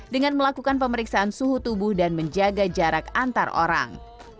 dengan melakukan pemeriksaan suhu tubuh dan menjaga jarak antar orang